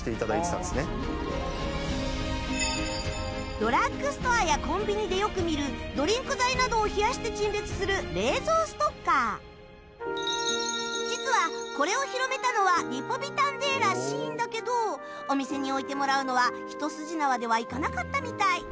ドラッグストアやコンビニでよく見るドリンク剤などを冷やして陳列する実はこれを広めたのはリポビタン Ｄ らしいんだけどお店に置いてもらうのは一筋縄ではいかなかったみたい